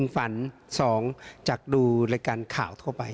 ฝัน๒จากดูรายการข่าวทั่วไป